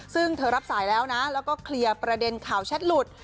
ซึ่งเธอรับสายแล้วนะแล้วก็เคลียร์ประเด็นข่าวแชทหลุด